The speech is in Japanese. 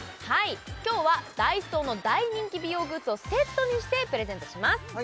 今日はＤＡＩＳＯの大人気美容グッズをセットにしてプレゼントします